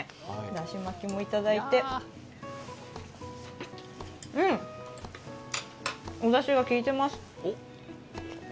だし巻きもいただいてうん、おだしがきいてます。